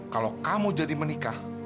kalau kamu jadi menikah